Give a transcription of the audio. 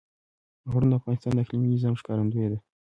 غرونه د افغانستان د اقلیمي نظام ښکارندوی ده.